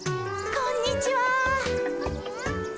こんにちは。